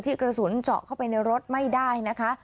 กระสุนเจาะเข้าไปในรถไม่ได้นะคะ